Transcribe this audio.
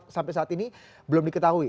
sampai saat ini belum diketahui